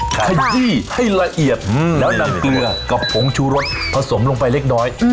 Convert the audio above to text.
ขยี้ให้ละเอียดแล้วนำเกลือกับผงชูรสผสมลงไปเล็กน้อย